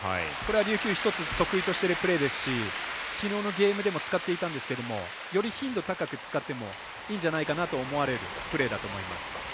琉球１つ得意としているプレーですしきのうのゲームでも使っていたんですがより頻度高く使ってもいいんじゃないかなと思われるプレーだと思います。